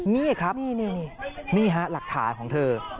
นี่ครับนี่ฮะหลักฐานของเธอ